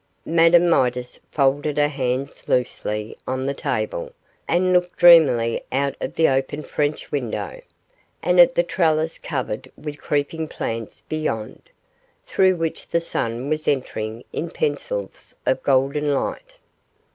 Madame Midas folded her hands loosely on the table, and looked dreamily out of the open French window, and at the trellis covered with creeping plants beyond, through which the sun was entering in pencils of golden light.